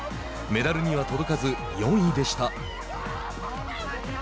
メダルには届かず４位でした。